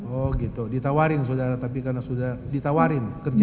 oh gitu ditawarin saudara tapi karena sudah ditawarin kerja